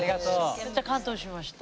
めっちゃ感動しました。